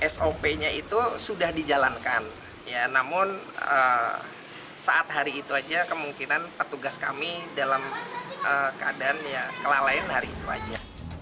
sop nya itu sudah dijalankan namun saat hari itu saja kemungkinan petugas kami dalam keadaan ya kelalaian hari itu aja